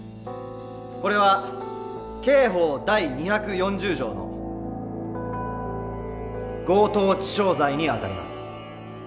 これは刑法第２４０条の強盗致傷罪にあたります」。